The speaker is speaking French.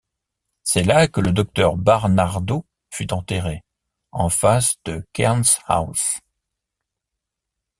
C'est là que le Dr Barnardo fut enterré, en face de Cairns House.